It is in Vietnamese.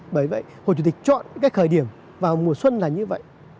bởi vậy hồ chủ tịch chọn cái khởi điểm vào mùa xuân là như vậy